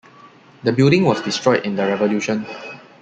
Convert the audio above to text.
The building was destroyed in the Revolution.